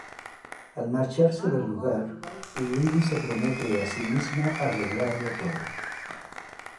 Al marcharse del lugar, Lilly se promete a sí misma arreglarlo todo.